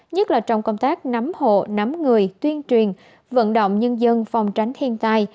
nhất là trong công tác nắm hộ nắm người tuyên truyền vận động nhân dân phòng tránh thiên tai